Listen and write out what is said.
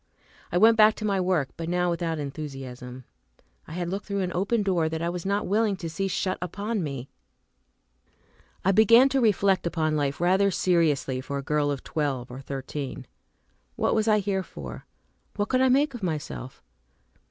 I went back to my work, but now without enthusiasm. I had looked through an open door that I was not willing to see shut upon me. I began to reflect upon life rather seriously for a girl of twelve or thirteen. What was I here for? What could I make of myself?